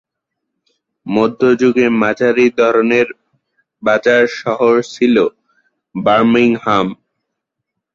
মধ্যযুগে মাঝারি ধরনের বাজার শহর ছিল বার্মিংহাম।